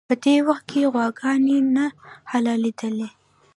په دې وخت کې غواګانې نه حلالېدلې.